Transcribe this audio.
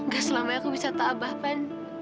gak selamanya aku bisa tabah pan